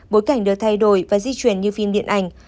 bối cảnh được thay đổi và di chuyển như phim điện ảnh